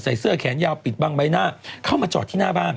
เสื้อแขนยาวปิดบังใบหน้าเข้ามาจอดที่หน้าบ้าน